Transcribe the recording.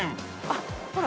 ほら。